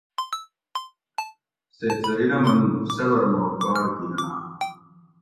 "سید زرینہ منو ""صبر ما کار گیناۤ"